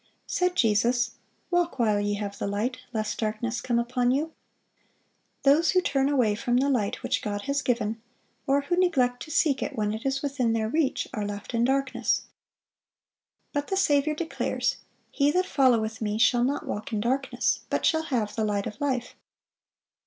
Said Jesus, "Walk while ye have the light, lest darkness come upon you."(508) Those who turn away from the light which God has given, or who neglect to seek it when it is within their reach, are left in darkness. But the Saviour declares, "He that followeth Me shall not walk in darkness, but shall have the light of life."